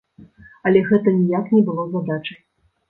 Але гэта ніяк не было задачай.